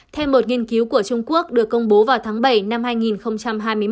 thêm một nghiên cứu của trung quốc được công bố vào tháng bảy năm hai nghìn hai mươi một